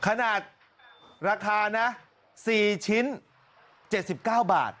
ขนาดราคานะ๔ชิ้น๗๙บาท